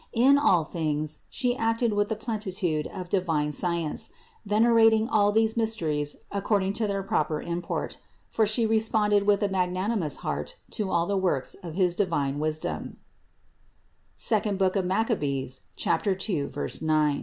In all things She acted with the plenitude of divine science, venerating all these mysteries accord ing to their proper import; for She responded with a magnanimous heart to all the works of his divine wisdom (II Mach. 2, 9). 310.